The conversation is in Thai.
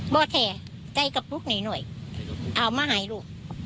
ไม่ใช่ใจกระปุ๊กหน่อยเอามาให้ลูก